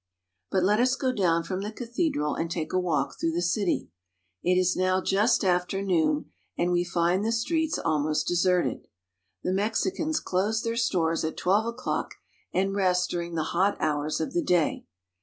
But let us go down from the cathedral and take a walk through the city. It is now just after noon, and we find the streets almost deserted. The Mexicans close their stores at twelve o'clock, and rest during the hot hours of the day.